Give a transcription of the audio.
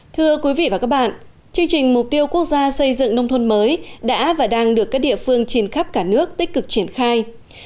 thưa quý vị và các bạn chương trình mục tiêu quốc gia xây dựng nông thôn mới đã và đang được các địa phương trên khắp cả nước tích cực triển khai